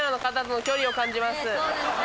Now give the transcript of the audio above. そうですね。